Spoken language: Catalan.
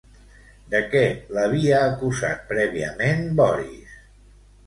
De què l'havia acusat prèviament Boris?